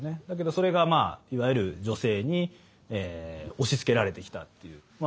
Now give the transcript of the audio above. だけどそれがまあいわゆる女性に押し付けられてきたっていう。